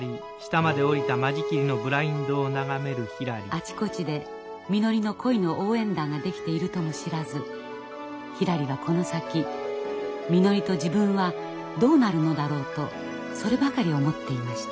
あちこちでみのりの恋の応援団が出来ているとも知らずひらりはこの先みのりと自分はどうなるのだろうとそればかり思っていました。